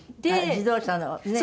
自動車のねえ。